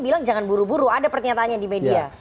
bilang jangan buru buru ada pernyataannya di media